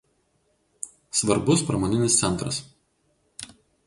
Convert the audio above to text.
Svarbus pramoninis centras.